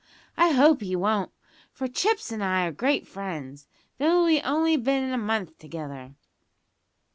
I hope he won't, for Chips an' I are great friends, though we've only bin a month together."